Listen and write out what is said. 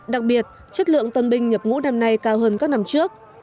đặc biệt chất lượng tân binh nhập ngũ năm nay cao hơn các năm trước